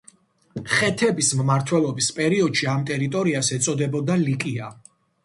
ხეთების მმართველობის პერიოდში ამ ტერიტორიას ეწოდებოდა ლიკია.